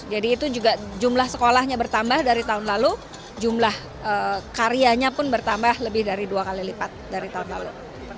jadi itu juga jumlah sekolahnya bertambah dari tahun lalu jumlah karyanya pun bertambah lebih dari dua kali lipat dari tahun lalu